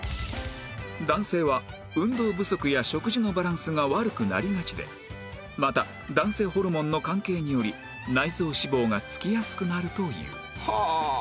男性は運動不足や食事のバランスが悪くなりがちでまた男性ホルモンの関係により内臓脂肪がつきやすくなるという